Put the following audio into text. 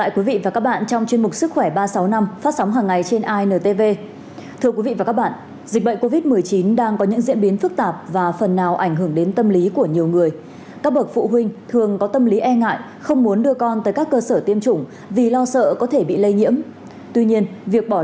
các bạn hãy đăng ký kênh để ủng hộ kênh của chúng mình nhé